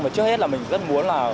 và trước hết là mình rất muốn là